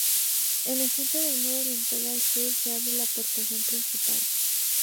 En el centro del muro orientado al sur, se abre la portada principal.